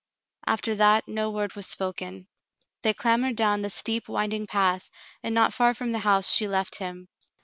After that no word was spoken. They clambered down the steep, winding path, and not far from the house she left him.